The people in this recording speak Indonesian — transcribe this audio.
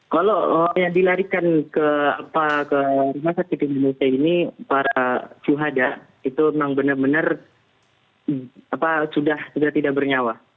kalau yang dilarikan ke rumah sakit indonesia ini para syuhada itu memang benar benar sudah tidak bernyawa